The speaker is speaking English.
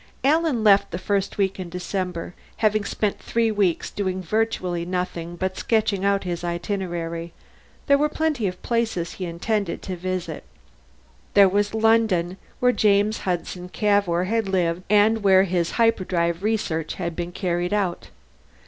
Alan left the first week in December, having spent three weeks doing virtually nothing but sketching out his itinerary. There were plenty of places he intended to visit. There was London, where James Hudson Cavour had lived and where his hyperdrive research had been carried out.